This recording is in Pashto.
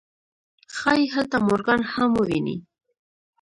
ښايي هلته مورګان هم وويني.